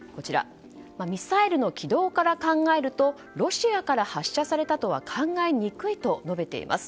ミサイルの軌道から考えるとロシアから発射されたとは考えにくいと述べています。